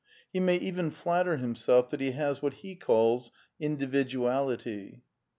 He may even flatter himself that he has what he calls Individuality.